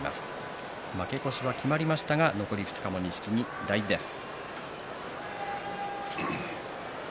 負け越しは決まりましたが残り２日、錦木も大切です。